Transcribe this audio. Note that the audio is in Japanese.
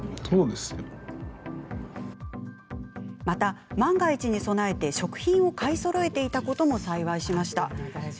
また、万が一に備え食品を買いそろえていたことも幸いしました。